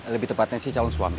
lebih tepatnya sih calon suami